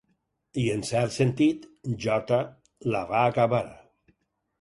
I en cert sentit, "J" la va acabar.